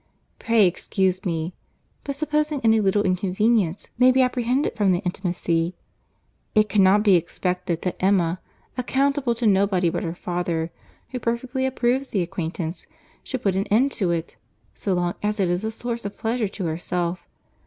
Pray excuse me; but supposing any little inconvenience may be apprehended from the intimacy, it cannot be expected that Emma, accountable to nobody but her father, who perfectly approves the acquaintance, should put an end to it, so long as it is a source of pleasure to herself.